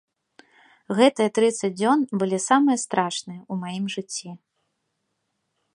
Гэтыя трыццаць дзён былі самыя страшныя ў маім жыцці.